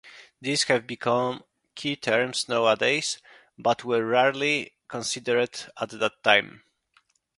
These have become key terms nowadays but were rarely considered at that time.